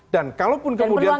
dan kalaupun kemudian tadi